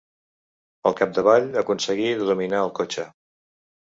Al capdavall aconseguí de dominar el cotxe.